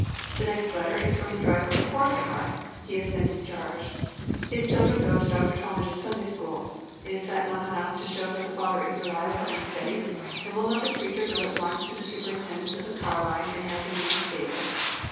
The next letter is from the driver of a horse car. He has been discharged. His children go to Dr. Talmage's Sunday School. Is that not enough to show that the father is reliable and steady, and will not the preacher go at once to the superintendent of the car line and have him reinstated.